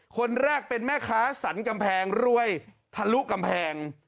คนแรกเป็นแม่ค้าสรรกำแพงรวยทะลุกำแพง